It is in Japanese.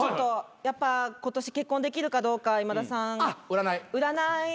やっぱ今年結婚できるかどうか今田さん占ってもいいですかね？